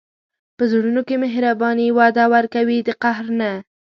په زړونو کې مهرباني وده ورکوي، د قهر نه.